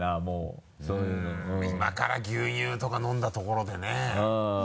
もうそういうのうん今から牛乳とか飲んだところでね。